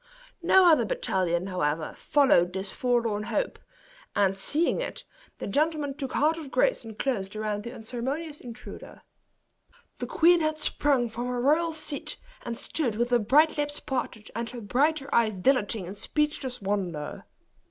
No other battalion, however, followed this forlorn hope; and seeing it, the gentlemen took heart of grace and closed around the unceremonious intruder. The queen had sprung from her royal seat, and stood with her bright lips parted, and her brighter eyes dilating in speechless wonder.